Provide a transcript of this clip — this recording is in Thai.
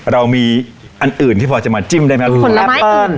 เรามีอันอื่นพอจะมาจิ้มได้ไหมครับ